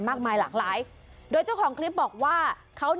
มือบับเหลือมือบับเหลือ